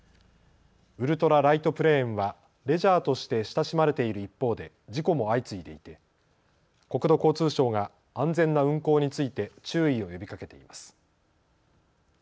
ウルトラライトプレーンはレジャーとして親しまれている一方で事故も相次いでいて国土交通省が安全な運航について注意を呼びかけています。